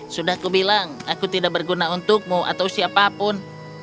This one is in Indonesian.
sudah aku bilang aku tidak berguna untukmu atau siapapun